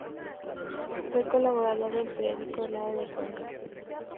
Fue colaborador del periódico "Heraldo de Cuenca".